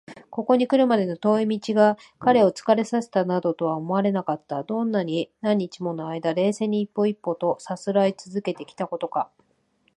ここにくるまでの遠い道が彼を疲れさせたなどとは思われなかった。どんなに何日ものあいだ、冷静に一歩一歩とさすらいつづけてきたことか！